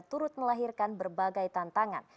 turut melahirkan berbagai tantangan